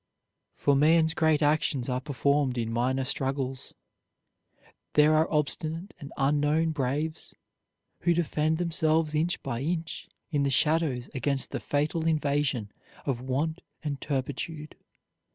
For man's great actions are performed in minor struggles. There are obstinate and unknown braves who defend themselves inch by inch in the shadows against the fatal invasion of want and turpitude.